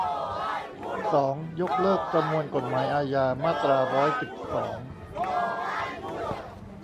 สอง ยกเลิกประมวลกฎหมายอาญา มาตราร้อยสิบสอง